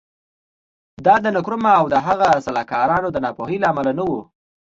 دا د نکرومه او د هغه د سلاکارانو د ناپوهۍ له امله نه و.